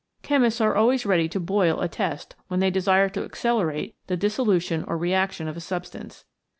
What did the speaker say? Chemists are always ready to boil a test when they desire to accelerate the dissolution or reaction of a substance.